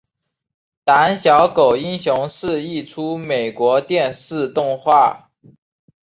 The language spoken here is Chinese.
胆小狗英雄是一出美国电视动画。